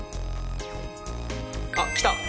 あっ来た。